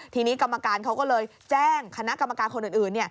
ทีนี้กรรมการเขาก็เลยแจ้งคณะกรรมการคนอื่น